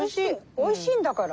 おいしいんだから。